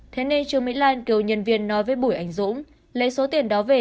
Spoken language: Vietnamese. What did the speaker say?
thế nên trương mỹ lan cựu nhân viên nói với bùi anh dũng lấy số tiền đó về